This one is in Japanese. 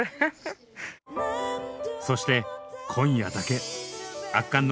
そして今夜だけ！